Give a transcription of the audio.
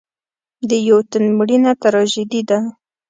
د یو تن مړینه تراژیدي ده.